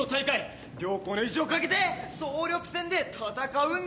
両校の意地を懸けて総力戦で戦うんだよ